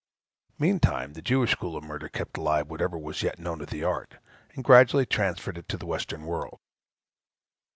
Meantime, the Jewish, school of murder kept alive whatever was yet known in the art, and gradually transferred it to the Western World.